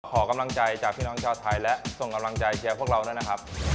ขอกำลังใจจากพี่น้องชาวไทยและส่งกำลังใจเชียร์พวกเราด้วยนะครับ